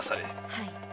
はい。